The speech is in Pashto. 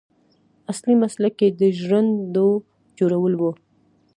اصلي مسلک یې د ژرندو جوړول و.